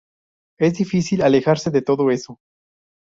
Es difícil alejarse de todo eso".